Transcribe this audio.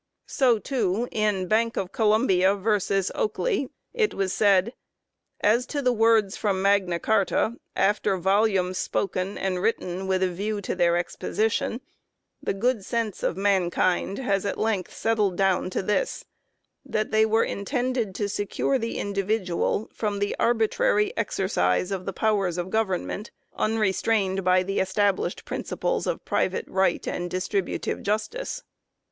So, too, in Bank of Columbia v. Okely * it was said :" As to the words from Magna Carta, after volumes spoken and written with a view to their exposition, the good sense of mankind has at length settled down to this : that they were intended to secure the individual from the arbitrary exercise of the powers of government, unrestrained by the established principles of private right and distribu tive justice